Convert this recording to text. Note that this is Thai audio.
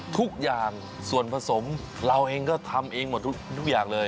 ทุกอย่างส่วนผสมเราเองก็ทำเองหมดทุกอย่างเลย